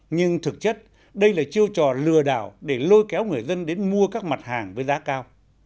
nhưng thực chất đây là chiêu trò lừa đảo để lôi kéo người dân đến mua các mặt hàng với giá cao